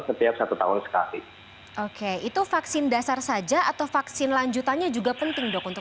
setiap satu tahun sekali oke itu vaksin dasar saja atau vaksin lanjutannya juga penting dok untuk